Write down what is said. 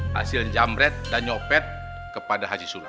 hasil jamret dan nyopet kepada aji sulam